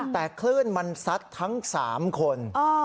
แต่คลื่นมันซัดทั้ง๓คน